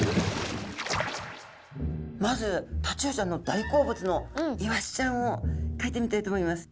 まずタチウオちゃんの大好物のイワシちゃんをかいてみたいと思います。